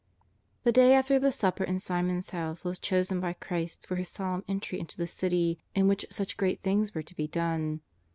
The day after the supper in Simon's house was chosen by Christ for His solemn entry into the City in which such great things were to be done.